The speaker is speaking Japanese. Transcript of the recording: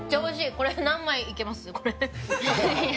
これ何枚いけます？